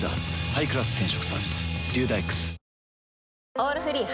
「オールフリー」